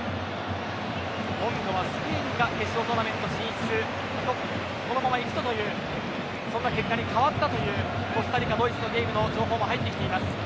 今度はスペインが決勝トーナメント進出このままいくとというそんな結果に変わったというコスタリカ、ドイツの情報も入ってきています。